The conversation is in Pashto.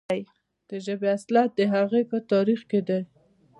د ژبې اصالت د هغې په تاریخ کې دی.